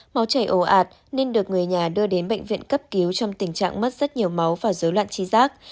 máu chảy ồ ạt nên được người nhà đưa đến bệnh viện cấp cứu trong tình trạng mất rất nhiều máu và dối loạn trí giác